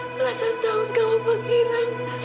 belasan tahun kamu menghilang